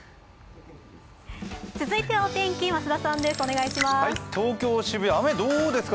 続いてはお天気、増田さんお願いします。